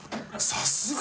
さすが！